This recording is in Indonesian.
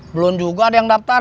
belum juga ada yang daftar